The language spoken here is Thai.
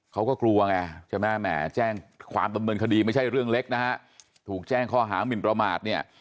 เขาก็กลัวไงใช่ไหมแหมแจ้งความดำเนินคดีไม่ใช่เรื่องเล็กนะฮะถูกแจ้งข้อหามินประมาทเนี่ย